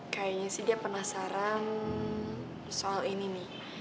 kayaknya sih dia penasaran soal ini nih